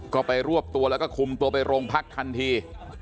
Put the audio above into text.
ก็ไปรวบตัวแล้วก็คุมตัวไปโรงพักทันที